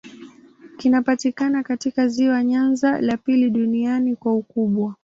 Kinapatikana katika ziwa Nyanza, la pili duniani kwa ukubwa.